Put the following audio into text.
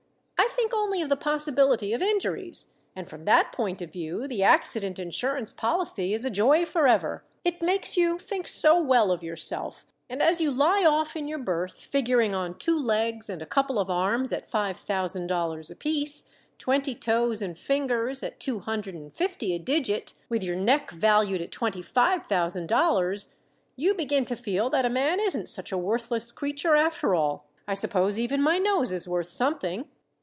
"I think only of the possibility of injuries, and from that point of view the accident insurance policy is a joy forever. It makes you think so well of yourself, and as you lie off in your berth figuring on two legs and a couple of arms at five thousand dollars apiece, twenty toes and fingers at two hundred and fifty a digit, with your neck valued at twenty five thousand dollars, you begin to feel that a man isn't such a worthless creature after all. I suppose even my nose is worth something."